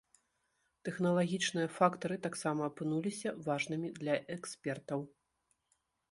Тэхналагічныя фактары таксама апынуліся важнымі для экспертаў.